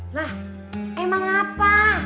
lah emang apa